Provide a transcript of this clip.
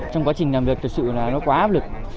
trong quá trình làm việc thật sự là nó quá áp lực